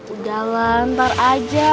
udah lah ntar aja